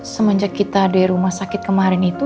semenjak kita dari rumah sakit kemarin itu